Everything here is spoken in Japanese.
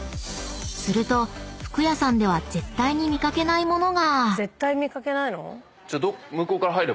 ［すると服屋さんでは絶対に見掛けない物が］